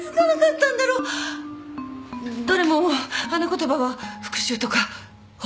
どれも花言葉は復讐とか報復とか。